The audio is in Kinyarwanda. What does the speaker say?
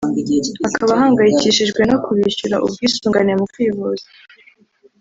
akaba ahangayikishijwe no kubishyurira ubwisungane mu kwivuza